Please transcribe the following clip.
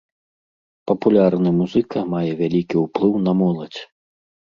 Папулярны музыка мае вялікі ўплыў на моладзь.